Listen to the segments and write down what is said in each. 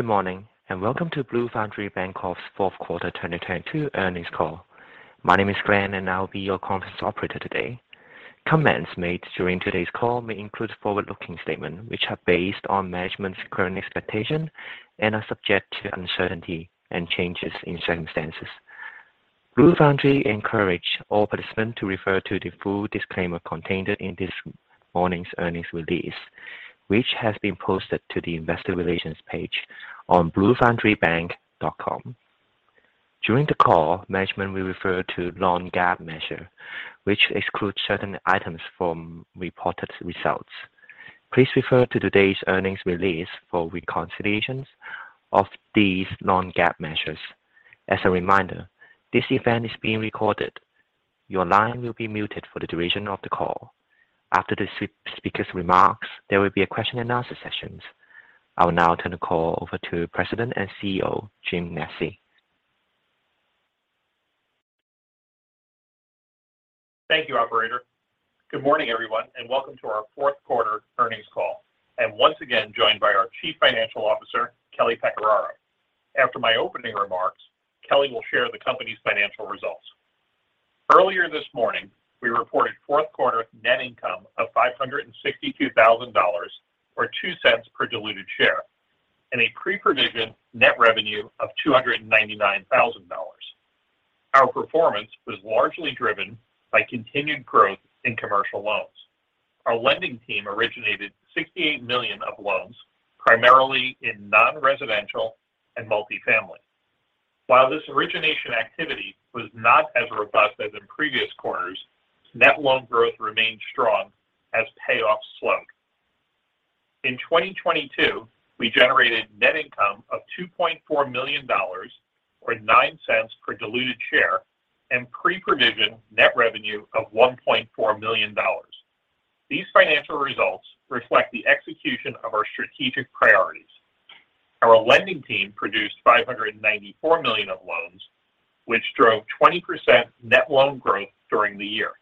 Good morning, and welcome to Blue Foundry Bancorp's fourth quarter 2022 earnings call. My name is Glenn, and I'll be your conference operator today. Comments made during today's call may include forward-looking statements, which are based on management's current expectations and are subject to uncertainty and changes in circumstances. Blue Foundry encourage all participants to refer to the full disclaimer contained in this morning's earnings release, which has been posted to the investor relations page on bluefoundrybank.com. During the call, management will refer to non-GAAP measure, which excludes certain items from reported results. Please refer to today's earnings release for reconciliations of these non-GAAP measures. As a reminder, this event is being recorded. Your line will be muted for the duration of the call. After the speakers' remarks, there will be a question and answer session. I will now turn the call over to President and CEO, Jim Nesci. Thank you, operator. Good morning, everyone, and welcome to our fourth quarter earnings call. I'm once again joined by our Chief Financial Officer, Kelly Pecoraro. After my opening remarks, Kelly will share the company's financial results. Earlier this morning, we reported fourth quarter net income of $562,000, or $0.02 per diluted share, and a pre-provision net revenue of $299,000. Our performance was largely driven by continued growth in commercial loans. Our lending team originated $68 million of loans, primarily in non-residential and multifamily. While this origination activity was not as robust as in previous quarters, net loan growth remained strong as payoffs slowed. In 2022, we generated net income of $2.4 million or $0.09 per diluted share and pre-provision net revenue of $1.4 million. These financial results reflect the execution of our strategic priorities. Our lending team produced $594 million of loans, which drove 20% net loan growth during the year.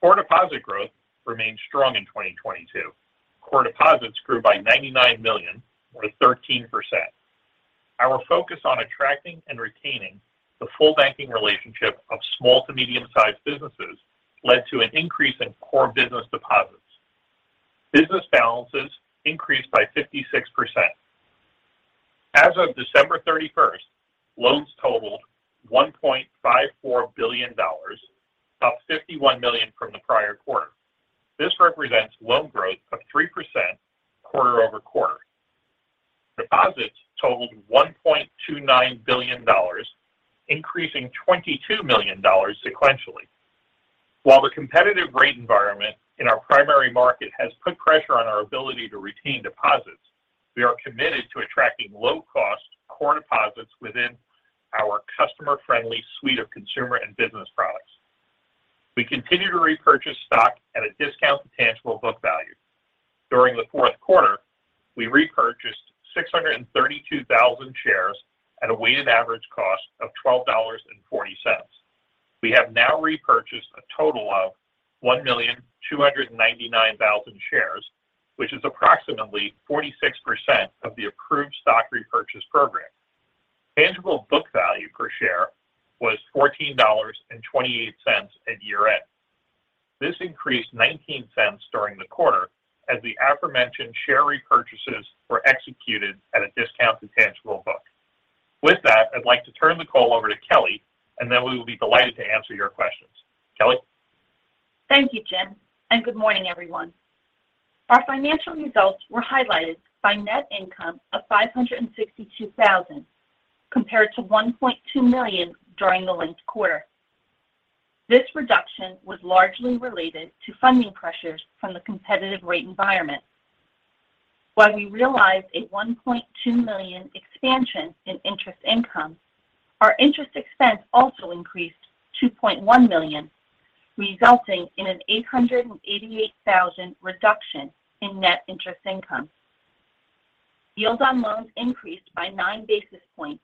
Core deposit growth remained strong in 2022. Core deposits grew by $99 million, or 13%. Our focus on attracting and retaining the full banking relationship of small to medium-sized businesses led to an increase in core business deposits. Business balances increased by 56%. As of December 31st, loans totaled $1.54 billion, up $51 million from the prior quarter. This represents loan growth of 3% quarter-over-quarter. Deposits totaled $1.29 billion, increasing $22 million sequentially. While the competitive rate environment in our primary market has put pressure on our ability to retain deposits, we are committed to attracting low-cost core deposits within our customer-friendly suite of consumer and business products. We continue to repurchase stock at a discount to tangible book value. During the fourth quarter, we repurchased 632,000 shares at a weighted average cost of $12.40. We have now repurchased a total of 1,299,000 shares, which is approximately 46% of the approved stock repurchase program. Tangible book value per share was $14.28 at year-end. This increased $0.19 during the quarter as the aforementioned share repurchases were executed at a discount to tangible book. I'd like to turn the call over to Kelly. We will be delighted to answer your questions. Kelly? Thank you, Jim. Good morning, everyone. Our financial results were highlighted by net income of $562,000, compared to $1.2 million during the linked quarter. This reduction was largely related to funding pressures from the competitive rate environment. While we realized a $1.2 million expansion in interest income, our interest expense also increased $2.1 million, resulting in an $888,000 reduction in net interest income. Yields on loans increased by 9 basis points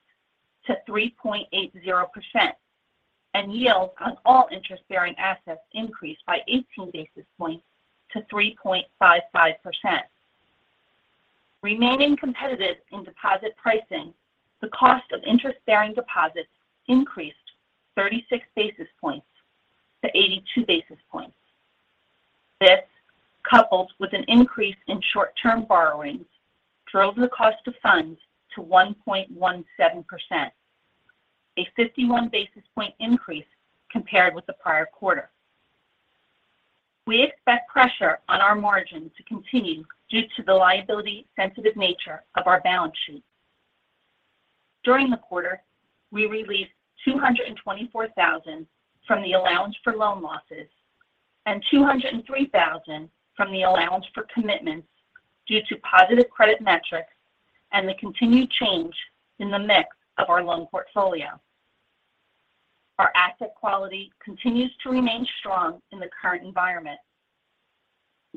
to 3.80%, and yields on all interest-bearing assets increased by 18 basis points to 3.55%. Remaining competitive in deposit pricing, the cost of interest-bearing deposits increased 36 basis points to 82 basis points. This, coupled with an increase in short-term borrowings, drove the cost of funds to 1.17%, a 51 basis point increase compared with the prior quarter. We expect pressure on our margin to continue due to the liability-sensitive nature of our balance sheet. During the quarter, we released $224,000 from the allowance for loan losses and $203,000 from the allowance for commitments due to positive credit metrics and the continued change in the mix of our loan portfolio. Our asset quality continues to remain strong in the current environment.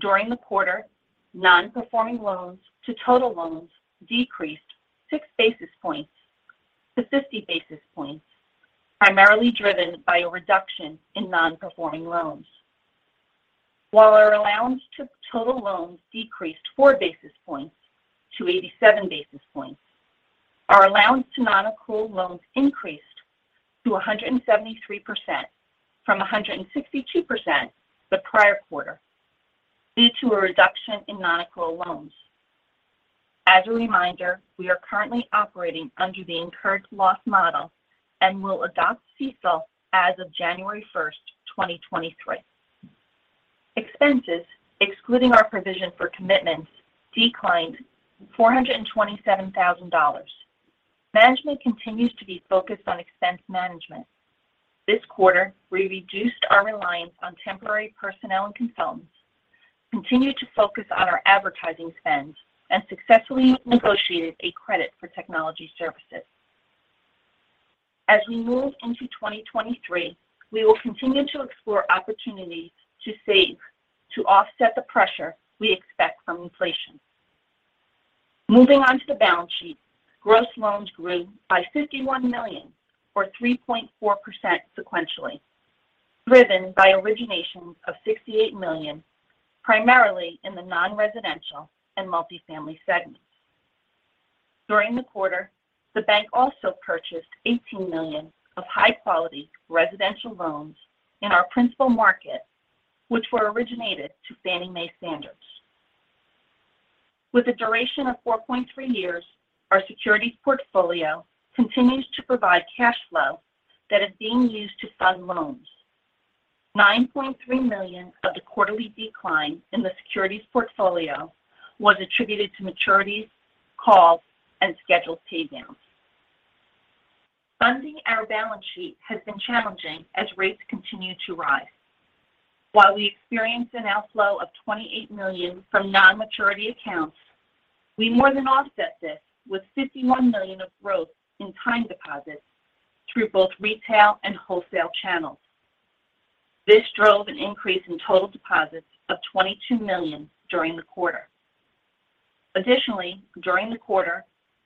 During the quarter, non-performing loans to total loans decreased 6 basis points to 50 basis points, primarily driven by a reduction in non-performing loans. While our allowance to total loans decreased 4 basis points to 87 basis points, our allowance to nonaccrual loans increased to 173% from 162% the prior quarter due to a reduction in nonaccrual loans. As a reminder, we are currently operating under the incurred loss model and will adopt CECL as of January 1st, 2023. Expenses, excluding our provision for commitments, declined $427,000. Management continues to be focused on expense management. This quarter, we reduced our reliance on temporary personnel and consultants, continued to focus on our advertising spend, and successfully negotiated a credit for technology services. As we move into 2023, we will continue to explore opportunities to save to offset the pressure we expect from inflation. Moving on to the balance sheet. Gross loans grew by $51 million or 3.4% sequentially, driven by originations of $68 million, primarily in the non-residential and multifamily segments. During the quarter, the bank also purchased $18 million of high quality residential loans in our principal market, which were originated to Fannie Mae standards. With a duration of 4.3 years, our securities portfolio continues to provide cash flow that is being used to fund loans. $9.3 million of the quarterly decline in the securities portfolio was attributed to maturities, calls, and scheduled pay downs. Funding our balance sheet has been challenging as rates continue to rise. While we experienced an outflow of $28 million from non-maturity accounts, we more than offset this with $51 million of growth in time deposits through both retail and wholesale channels. This drove an increase in total deposits of $22 million during the quarter. Additionally, during the quarter,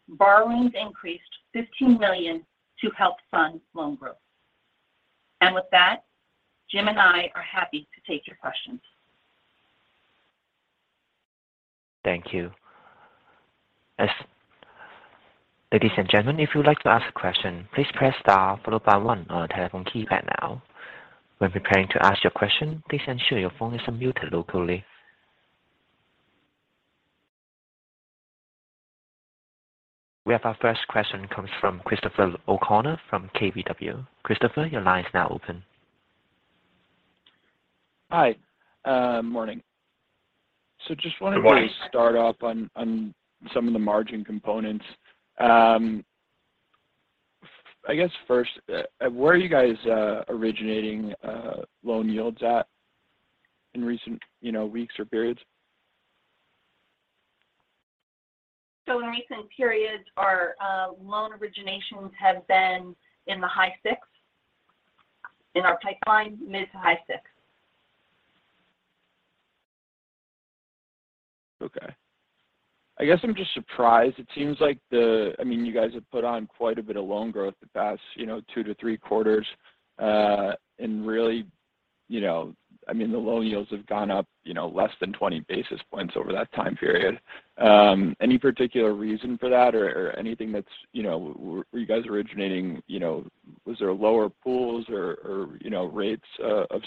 borrowings increased $15 million to help fund loan growth. With that, Jim and I are happy to take your questions. Thank you. Ladies and gentlemen, if you'd like to ask a question, please press star followed by one on your telephone keypad now. When preparing to ask your question, please ensure your phone is unmuted locally. We have our first question comes from Christopher O'Connell from KBW. Christopher, your line is now open. Hi. morning. just wanted to... Good morning. start off on some of the margin components. I guess first, where are you guys originating loan yields at in recent, you know, weeks or periods? In recent periods, our loan originations have been in the high 6%. In our pipeline, mid-to-high 6%. Okay. I guess I'm just surprised. It seems like I mean, you guys have put on quite a bit of loan growth the past, you know, 2-3 quarters, and really, you know, I mean, the loan yields have gone up, you know, less than 20 basis points over that time period. Any particular reason for that or anything that's, you know, were you guys originating, you know, was there lower pools or, you know, rates, of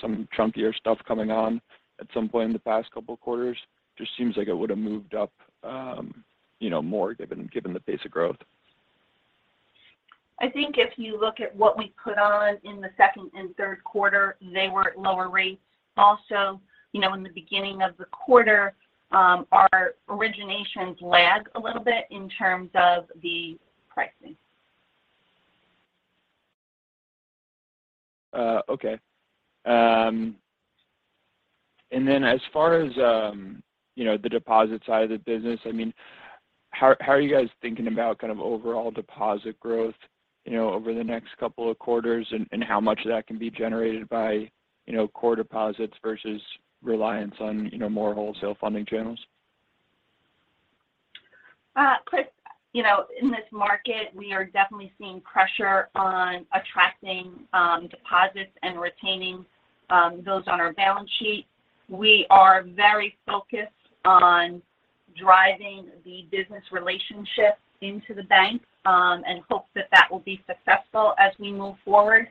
some chunkier stuff coming on at some point in the past couple quarters? Just seems like it would have moved up, you know, more given the pace of growth. I think if you look at what we put on in the second and third quarter, they were at lower rates. Also, you know, in the beginning of the quarter, our originations lagged a little bit in terms of the pricing. Okay. As far as, you know, the deposit side of the business, I mean, how are you guys thinking about kind of overall deposit growth, you know, over the next couple of quarters and how much of that can be generated by, you know, core deposits versus reliance on, you know, more wholesale funding channels? Chris, you know, in this market, we are definitely seeing pressure on attracting deposits and retaining those on our balance sheet. We are very focused on driving the business relationship into the bank, and hope that that will be successful as we move forward.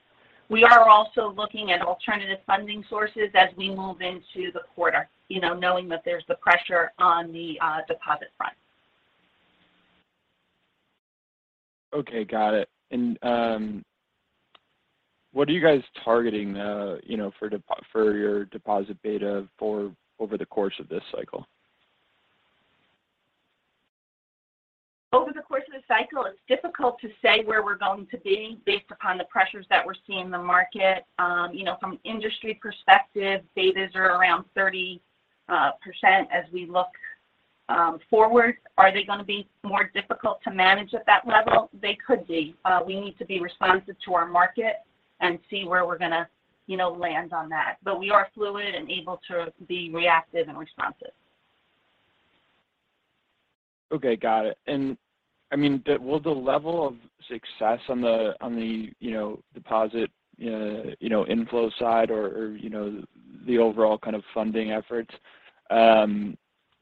We are also looking at alternative funding sources as we move into the quarter, you know, knowing that there's the pressure on the deposit front. Okay. Got it. What are you guys targeting, you know, for your deposit beta for over the course of this cycle? Over the course of the cycle, it's difficult to say where we're going to be based upon the pressures that we're seeing in the market. You know, from an industry perspective, betas are around 30% as we look forward. Are they gonna be more difficult to manage at that level? They could be. We need to be responsive to our market and see where we're gonna, you know, land on that. We are fluid and able to be reactive and responsive. Okay, got it. I mean, will the level of success on the, you know, deposit, you know, inflow side or, you know, the overall kind of funding efforts,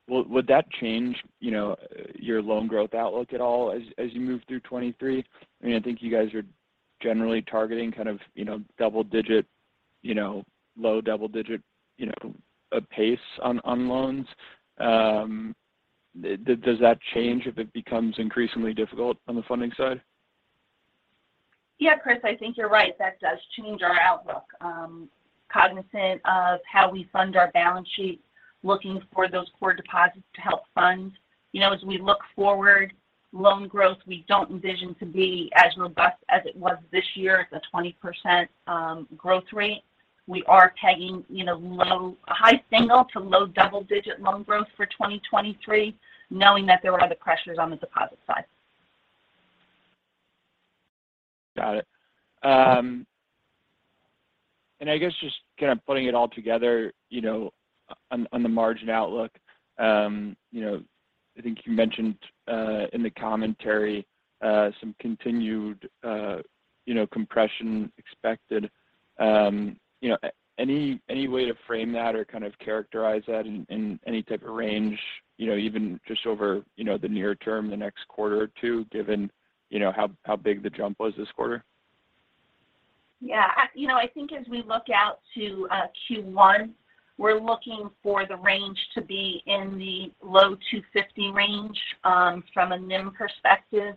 would that change, you know, your loan growth outlook at all as you move through 2023? I mean, I think you guys are generally targeting kind of, you know, double-digit, you know, low double-digit, you know, pace on loans. Does that change if it becomes increasingly difficult on the funding side? Yeah, Chris, I think you're right. That does change our outlook. Cognizant of how we fund our balance sheet, looking for those core deposits to help fund. You know, as we look forward, loan growth we don't envision to be as robust as it was this year at the 20% growth rate. We are pegging, you know, high single to low double digit loan growth for 2023, knowing that there are other pressures on the deposit side. Got it. I guess just kind of putting it all together, you know, on the margin outlook, you know, I think you mentioned in the commentary, some continued, you know, compression expected. You know, any way to frame that or kind of characterize that in any type of range, you know, even just over, you know, the near term, the next quarter or two, given, you know, how big the jump was this quarter? Yeah. you know, I think as we look out to Q1, we're looking for the range to be in the low 250 range from a NIM perspective.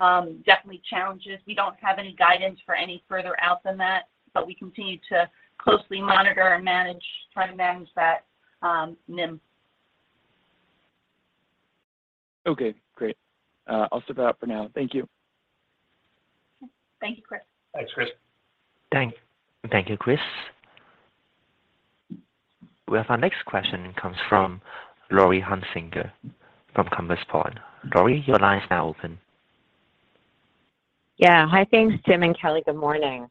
Definitely challenges. We don't have any guidance for any further out than that, but we continue to closely monitor and try to manage that NIM. Okay, great. I'll skip it out for now. Thank you. Thank you, Chris. Thanks, Chris. Thank you, Chris. We have our next question comes from Laurie Hunsicker from Compass Point. Lori, your line is now open. Yeah. Hi. Thanks, Jim and Kelly. Good morning.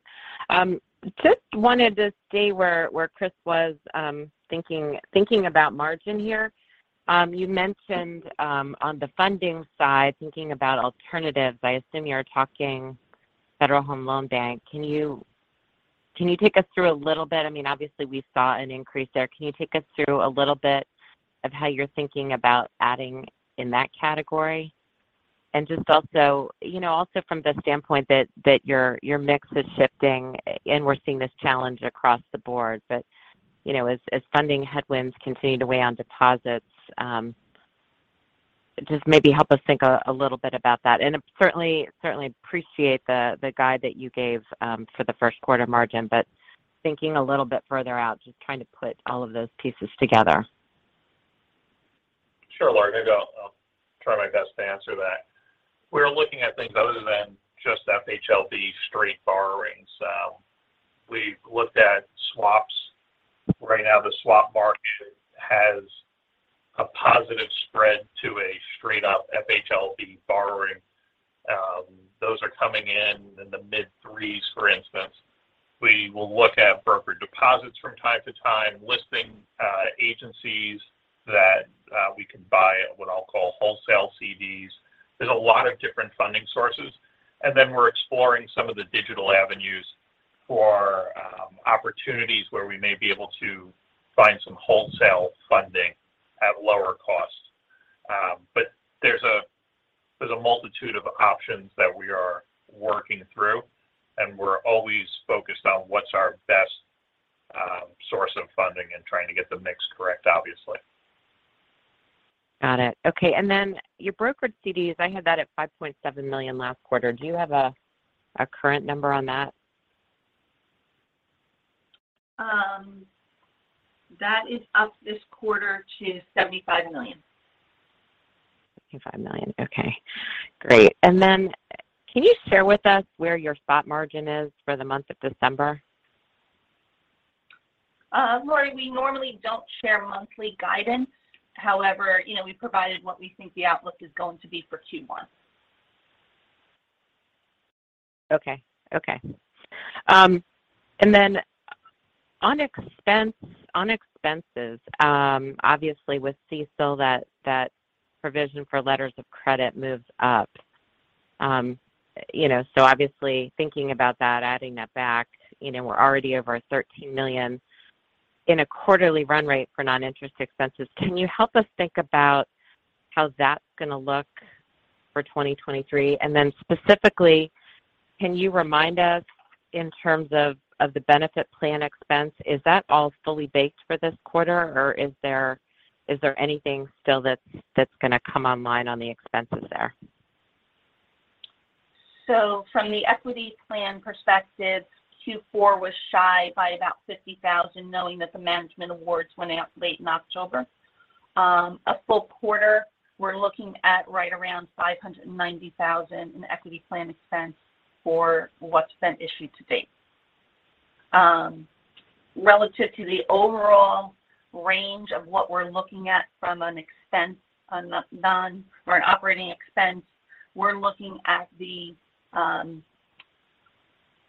Just wanted to stay where Chris was, thinking about margin here. You mentioned on the funding side, thinking about alternatives. I assume you're talking Federal Home Loan Banks. Can you take us through a little bit? I mean, obviously we saw an increase there. Can you take us through a little bit of how you're thinking about adding in that category? Just also, you know, also from the standpoint that your mix is shifting and we're seeing this challenge across the board. But, you know, as funding headwinds continue to weigh on deposits, just maybe help us think a little bit about that. Certainly appreciate the guide that you gave for the first quarter margin. Thinking a little bit further out, just trying to put all of those pieces together. Sure, Laurie. I'll try my best to answer that. We're looking at things other than just FHLB straight borrowings. We've looked at swaps. Right now, the swap market has a positive spread to a straight up FHLB borrowing. Those are coming in the mid threes, for instance. We will look at broker deposits from time to time, listing agencies that we can buy at what I'll call wholesale CDs. There's a lot of different funding sources. We're exploring some of the digital avenues for opportunities where we may be able to find some wholesale funding at lower costs. There's a multitude of options that we are working through, and we're always focused on what's our best source of funding and trying to get the mix correct, obviously. Got it. Okay. Then your brokered CDs, I had that at $5.7 million last quarter. Do you have a current number on that? That is up this quarter to $75 million. $75 million. Okay, great. Can you share with us where your spot margin is for the month of December? Laurie Hunsicker, we normally don't share monthly guidance. However, you know, we provided what we think the outlook is going to be for Q1. Okay. Okay. Then on expenses, obviously with CECL, that provision for letters of credit moves up. You know, so obviously thinking about that, adding that back, you know, we're already over $13 million in a quarterly run rate for non-interest expenses. Can you help us think about how that's gonna look for 2023? Then specifically, can you remind us in terms of the benefit plan expense, is that all fully baked for this quarter, or is there anything still that's gonna come online on the expenses there? From the equity plan perspective, Q4 was shy by about $50,000, knowing that the management awards went out late in October. A full quarter, we're looking at right around $590,000 in equity plan expense for what's been issued to date. Relative to the overall range of what we're looking at from an operating expense, we're looking at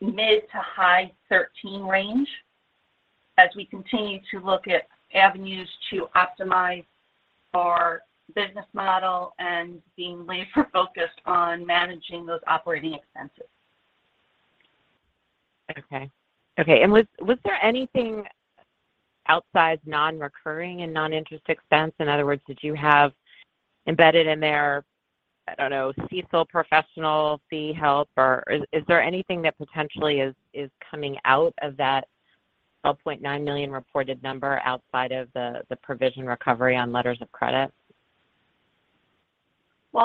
the mid- to high-$13 million range as we continue to look at avenues to optimize our business model and being laser focused on managing those operating expenses. Okay. Okay. Was there anything outside non-recurring and non-interest expense? In other words, did you have embedded in there, I don't know, CECL professional fee help or is there anything that potentially is coming out of that $12.9 million reported number outside of the provision recovery on letters of credit?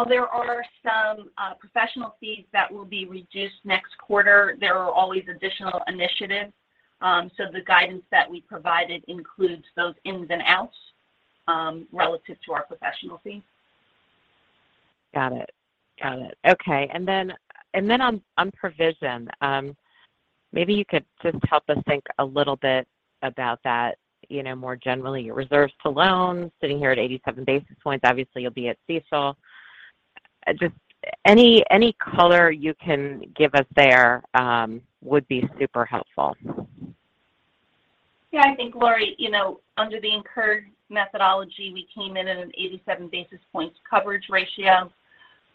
There are some professional fees that will be reduced next quarter. There are always additional initiatives. The guidance that we provided includes those ins and outs, relative to our professional fees. Got it. Okay. Then on provision, maybe you could just help us think a little bit about that, you know, more generally. Your reserves to loans sitting here at 87 basis points. Obviously, you'll be at CECL. Just any color you can give us there would be super helpful. Yeah, I think, Laurie Hunsicker, you know, under the incurred methodology, we came in at an 87 basis points coverage ratio.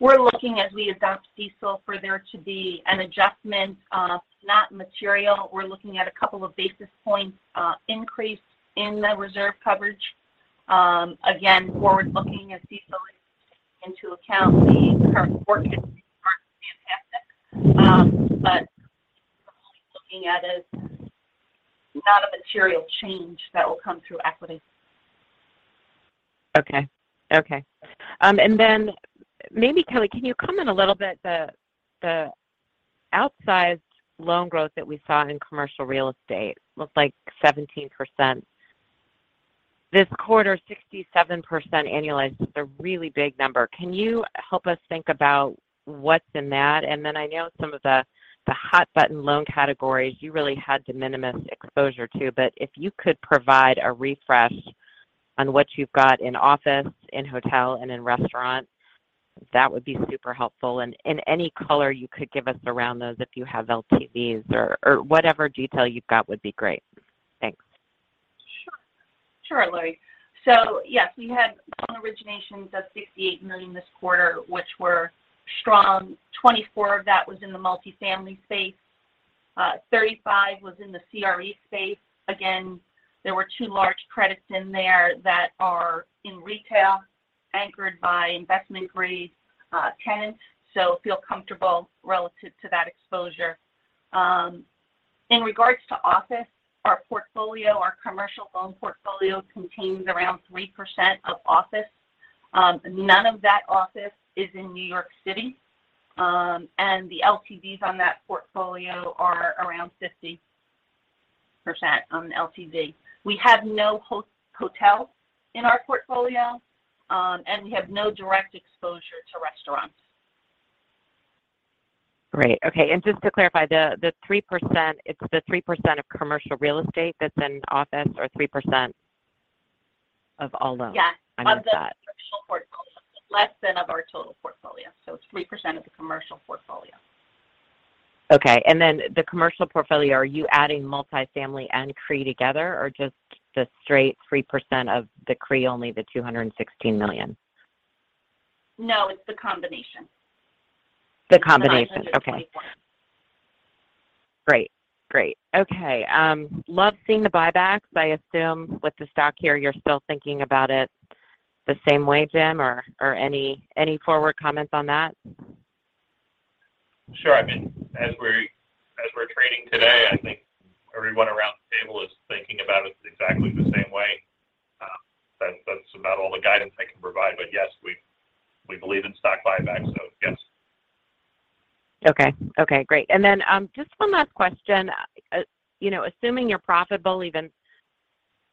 We're looking as we adopt CECL for there to be an adjustment, not material. We're looking at a couple of basis points increase in the reserve coverage. Again, forward-looking as CECL into account, the current forecast aren't fantastic. Looking at it, not a material change that will come through equity. Okay. Maybe, Kelly, can you comment a little bit the outsized loan growth that we saw in commercial real estate, looked like 17%. This quarter, 67% annualized. It's a really big number. Can you help us think about what's in that? I know some of the hot button loan categories you really had de minimis exposure to, but if you could provide a refresh on what you've got in office, in hotel, and in restaurant, that would be super helpful. Any color you could give us around those, if you have LTVs or whatever detail you've got would be great. Thanks. Sure. Sure, Laurie. Yes, we had loan originations of $68 million this quarter, which were strong. 24 of that was in the multifamily space. 35 was in the CRE space. There were two large credits in there that are in retail, anchored by investment-grade tenants. Feel comfortable relative to that exposure. In regards to office, our portfolio, our commercial loan portfolio contains around 3% of office. None of that office is in New York City, and the LTVs on that portfolio are around 50% on LTV. We have no hot-hotel in our portfolio, and we have no direct exposure to restaurants. Great. Okay. Just to clarify, the 3%, it's the 3% of commercial real estate that's in office or 3% of all loans? Yeah. I missed that. Of the commercial portfolio, less than of our total portfolio. It's 3% of the commercial portfolio. Okay. Then the commercial portfolio, are you adding multifamily and CRE together or just the straight 3% of the CRE, only the $216 million? No, it's the combination. The combination. 924. Okay. Great. Great. Okay. love seeing the buybacks. I assume with the stock here, you're still thinking about it the same way, Jim, or any forward comments on that? Sure. I mean, as we're trading today, I think everyone around the table is thinking about it exactly the same way. That's about all the guidance I can provide. Yes, we believe in stock buybacks, so yes. Okay. Okay, great. Just one last question. You know, assuming you're profitable, even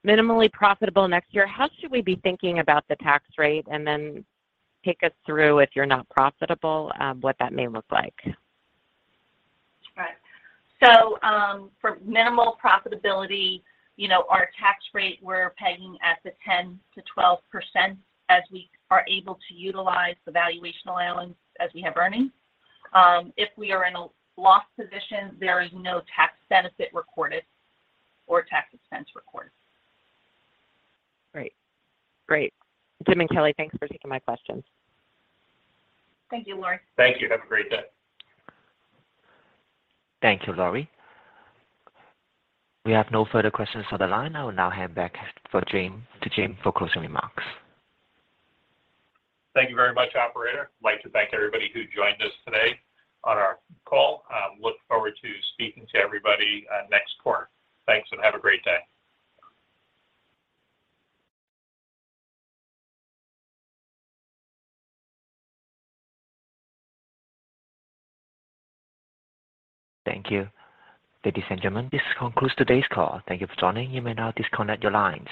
minimally profitable next year, how should we be thinking about the tax rate? Take us through if you're not profitable, what that may look like? Right. For minimal profitability, you know, our tax rate, we're pegging at the 10%-12% as we are able to utilize the valuation allowance as we have earnings. If we are in a loss position, there is no tax benefit recorded or tax expense recorded. Great. Jim and Kelly, thanks for taking my questions. Thank you, Laurie. Thank you. Have a great day. Thank you, Laurie. We have no further questions on the line. I will now hand back to Jim for closing remarks. Thank you very much, operator. I'd like to thank everybody who joined us today on our call. Look forward to speaking to everybody next quarter. Thanks, and have a great day. Thank you. Ladies and gentlemen, this concludes today's call. Thank you for joining. You may now disconnect your lines.